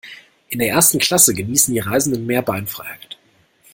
In der ersten Klasse genießen die Reisenden mehr Beinfreiheit.